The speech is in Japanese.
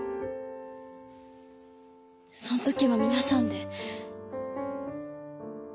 そん時は皆さんで。